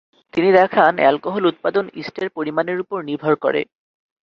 তিনি দেখান অ্যালকোহল উৎপাদন ইস্টের পরিমানের উপর নির্ভর করে।